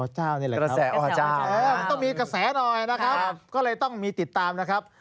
อเจ้านี่แหละครับต้องมีกระแสหน่อยนะครับก็เลยต้องมีติดตามนะครับ